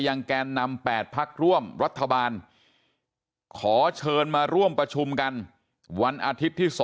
แกนนำ๘พักร่วมรัฐบาลขอเชิญมาร่วมประชุมกันวันอาทิตย์ที่๒